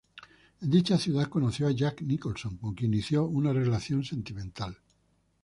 En dicha ciudad conoció a Jack Nicholson con quien inició una relación sentimental.